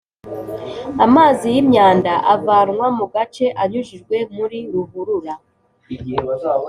amazi yimyanda avanwa mu gace anyujijwe muri ruhurura